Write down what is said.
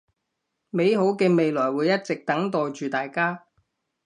美好嘅未來會一直等待住大家